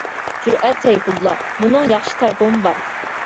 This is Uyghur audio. جۈرئەت سەيپۇللا: بۇنىڭ ياخشى تەرىپىمۇ بار.